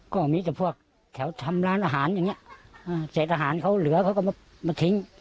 ก็มีแต่พวกแถวทำร้านอาหารอย่างเงี้เศษอาหารเขาเหลือเขาก็มาทิ้ง